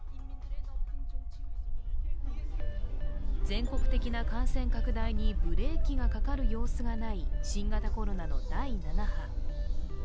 全国的な感染拡大にブレーキがかかる様子がない新型コロナの第７波。